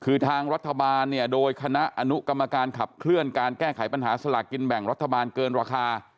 คือทางรัฐบาลเนี่ยโดยคณะอนุกรรมการขับเคลื่อนการแก้ไขปัญหาสลากกินแบ่งรัฐบาลเกินราคา